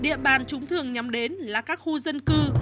địa bàn chúng thường nhắm đến là các khu dân cư